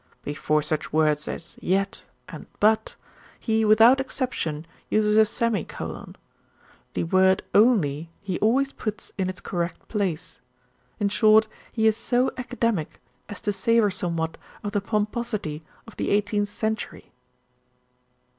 Before such words as 'yet' and 'but,' he without exception uses a semicolon. The word 'only,' he always puts in its correct place. In short, he is so academic as to savour somewhat of the pomposity of the eighteenth century."